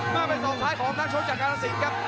มาเป็นสองท้ายของนักชกจากกาลสินครับ